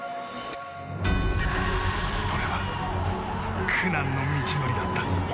それは苦難の道のりだった。